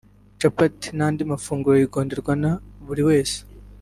capati n’andi mafunguro yigonderwa na buri wese